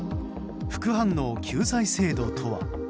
副反応救済制度とは？